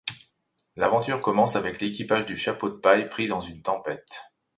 L'aventure commence avec l'équipage du chapeau de paille prit dans une tempête.